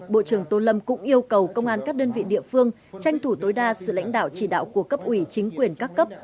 bộ trưởng tô lâm cũng yêu cầu công an các đơn vị địa phương tranh thủ tối đa sự lãnh đạo chỉ đạo của cấp ủy chính quyền các cấp